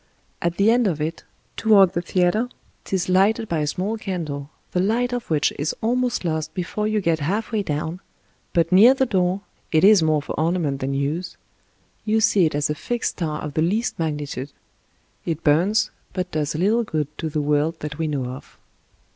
At the end of it, toward the theater, * Hackney coach. 205 English Mystery Stories 'tis lighted by a small candle, the light of which is almost lost before you get halfway down, but near the door — it is more for ornament than use — ^you see it as a fixed star of the least magnitude ; it bums, but does little good to the world that we know of.